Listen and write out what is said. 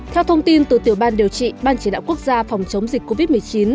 theo thông tin từ tiểu ban điều trị ban chỉ đạo quốc gia phòng chống dịch covid một mươi chín